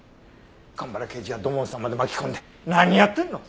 蒲原刑事や土門さんまで巻き込んで何やってんの！